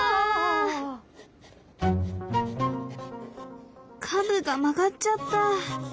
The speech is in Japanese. カムが曲がっちゃった。